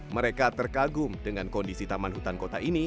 mereka terkagum dengan kondisi taman hutan kota ini